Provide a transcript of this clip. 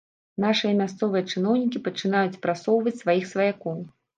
Нашыя мясцовыя чыноўнікі пачынаюць прасоўваць сваіх сваякоў.